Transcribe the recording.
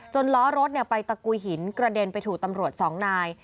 ล้อรถไปตะกุยหินกระเด็นไปถูกตำรวจสองนาย